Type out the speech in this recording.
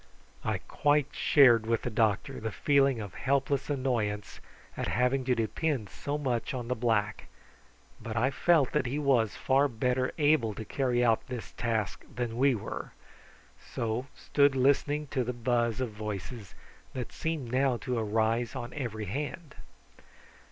I quite shared with the doctor the feeling of helpless annoyance at having to depend so much on the black; but I felt that he was far better able to carry out this task than we were, so stood listening to the buzz of voices, that seemed now to arise on every hand.